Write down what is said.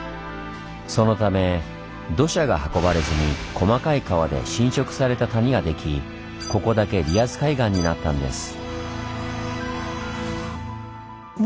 そのため土砂が運ばれずに細かい川で浸食された谷ができここだけリアス海岸になったんです。